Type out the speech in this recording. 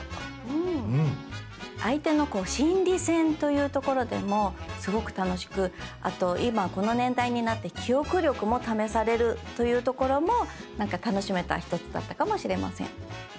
相手の心理戦というところでもすごく楽しくあと今この年代になって記憶力も試されるというところも楽しめた一つだったかもしれません。